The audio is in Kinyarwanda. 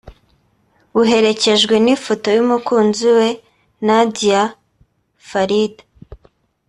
buherekejwe n’ifoto y’umukunzi we Nadia Farid